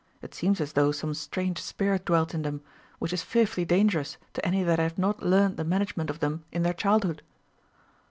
It seems as though some strange spirit dwelt in them, which is fearfully dangerous to any that have not learnt the management of them in their childhood.